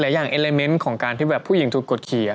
แต่อย่างเอลเมนต์ของการที่แบบผู้หญิงถูกกดขี่